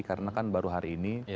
karena kan baru hari ini